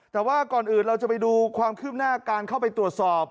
แต่ว่าก่อนอื่นเราจะไปดูความคืบหน้าการเข้าไปตรวจสอบ